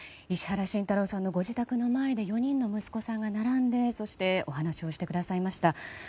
石原慎太郎さんのご自宅の前で４人の息子さんが並んでお話をしてくださりました。